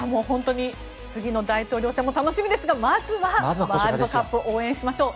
次の大統領選も楽しみですがまずはワールドカップ応援しましょう。